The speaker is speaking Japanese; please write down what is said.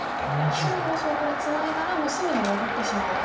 白がもしもこれツナいだらもう隅に潜ってしまおうと。